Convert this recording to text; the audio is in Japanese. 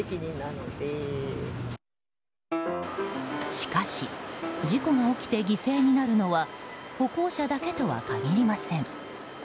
しかし、事故が起きて犠牲になるのは歩行者だけとは限りません。